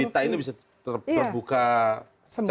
burita ini bisa terbuka secara cepat tidak